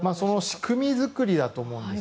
仕組み作りだと思うんです。